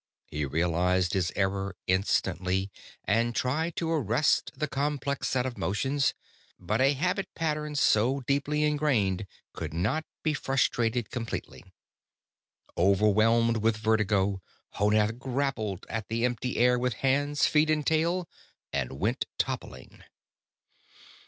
He realized his error instantly and tried to arrest the complex set of motions, but a habit pattern so deeply ingrained could not be frustrated completely. Overwhelmed with vertigo, Honath grappled at the empty air with hands, feet and tail and went toppling.